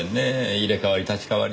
入れ代わり立ち代わり。